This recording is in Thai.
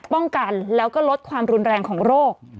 ป้องกันแล้วก็ลดความรุนแรงของโรค